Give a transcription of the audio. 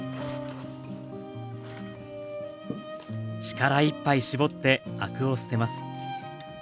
力いっぱい絞ってアクを捨てます。